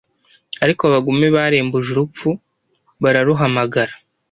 Ariko abagome barembuje Urupfu, bararuhamagara,